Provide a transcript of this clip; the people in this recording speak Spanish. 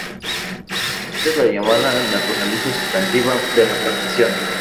Esta es la llamada naturaleza sustantiva de la partición.